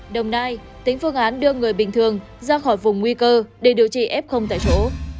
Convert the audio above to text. đồng nai tính phương án đưa người bình thường ra khỏi vùng nguy cơ để điều trị f tại số